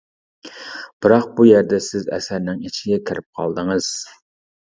بىراق بۇ يەردە سىز ئەسەرنىڭ ئىچىگە كىرىپ قالدىڭىز.